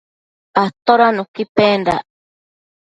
Atoda nuqui pendac?